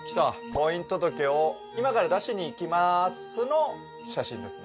婚姻届を今から出しに行きますの写真ですね。